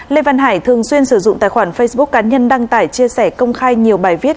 lê văn hải thường xuyên sử dụng tài khoản facebook cá nhân đăng tải chia sẻ công khai nhiều bài viết